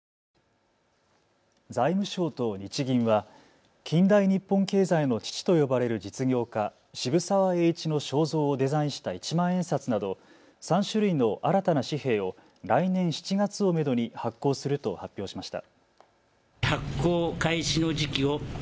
財務省と日銀は近代日本経済の父と呼ばれる実業家、渋沢栄一の肖像をデザインした一万円札など３種類の新たな紙幣を来年７月をめどに発行すると発表しました。